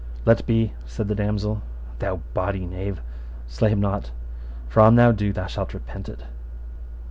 Let be, said the damosel, thou bawdy knave; slay him not, for an thou do thou shalt repent it.